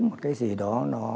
một cái gì đó